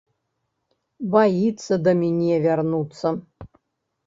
Баіцца да міне вярнуцца.